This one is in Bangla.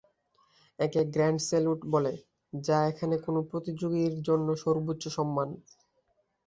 একে "গ্র্যান্ড স্যালুট" বলে যা এখানে কোন প্রতিযোগীর জন্য সর্বোচ্চ সম্মান।